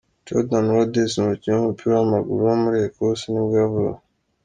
Jordan Rhodes, umukinnyi w’umupira w’amaguru wo muri Ecosse nibwo yavutse.